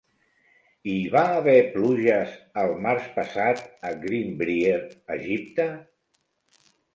Hi va haver pluges el març passat a Greenbrier, Egipte?